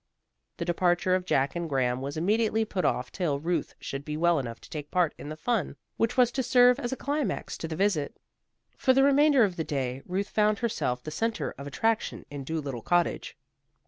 The departure of Jack and Graham was immediately put off till Ruth should be well enough to take part in the fun which was to serve as a climax to the visit. For the remainder of the day, Ruth found herself the centre of attraction in Dolittle Cottage.